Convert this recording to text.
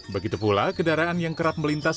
begitu pula kendaraan yang kerap melintas